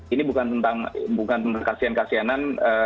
ini bukan tentang bukan tentang kasihan kasihanan